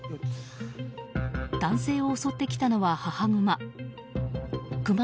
男性を襲ってきたのは、母グマ。